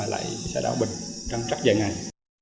lại xã đảo bình trong chắc vài ngày